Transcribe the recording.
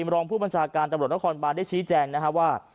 รองผู้ประชาการตำรวจนครบานได้ชี้แจ้งว่า